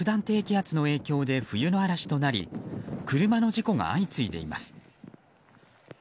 低気圧の影響で冬の嵐となり車の事故が相次いでいます。